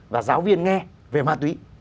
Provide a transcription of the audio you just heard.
và giáo viên nghe về ma túy